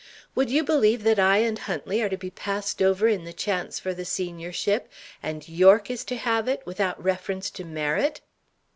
"Would you believe that I and Huntley are to be passed over in the chance for the seniorship, and Yorke is to have it, without reference to merit?"